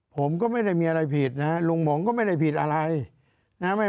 ผมก็ไม่ได้มีอะไรผิดนะฮะลุงหม่องก็ไม่ได้ผิดอะไรนะ